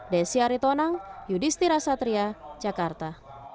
desya aritonang yudhistira satria jakarta